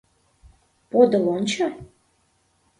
Подыл ончо.